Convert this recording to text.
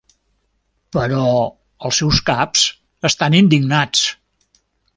Però els seus caps estan indignats.